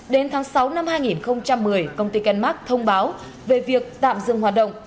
đến tháng sáu năm hai nghìn một mươi công ty kenmax thông báo về việc tạm dừng hoạt động